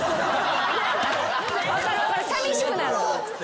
分かる分かるさみしくなる。